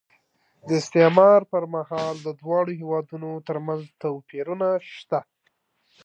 د استعمار پر مهال د دواړو هېوادونو ترمنځ توپیرونه شته.